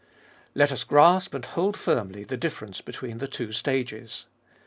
Let us grasp and hold firmly the difference between the two stages.